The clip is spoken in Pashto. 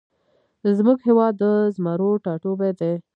زمونږ هیواد د زمرو ټاټوبی دی